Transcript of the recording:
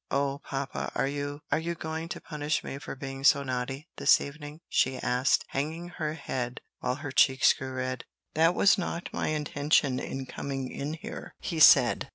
"O papa! are you are you going to punish me for being so naughty this evening?" she asked, hanging her head while her cheeks grew red. "That was not my intention in coming in here," he said.